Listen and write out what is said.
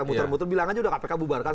muter muter bilang aja udah kpk bubarkan